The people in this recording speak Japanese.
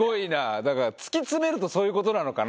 だから、突き詰めるとこういうことなのかな。